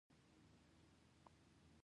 په بازار کې د بوټانو بیه بیا ځلي لوړه کېږي